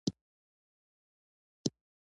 ګیلاس له تودو خبرو سره یو ځای څښل کېږي.